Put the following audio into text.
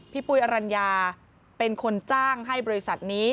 ปุ้ยอรัญญาเป็นคนจ้างให้บริษัทนี้